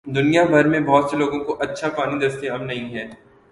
دنیا بھر میں بہت سے لوگوں کو اچھا پانی دستیاب نہیں ہے۔